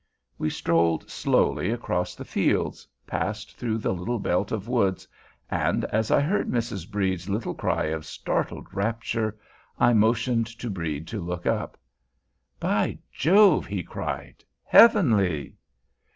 We strolled slowly across the fields, passed through the little belt of woods and, as I heard Mrs. Brede's little cry of startled rapture, I motioned to Brede to look up. "By Jove!" he cried, "heavenly!"